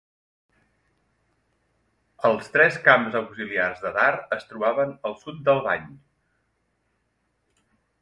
Els tres camps auxiliars de Darr es trobaven al sud d'Albany.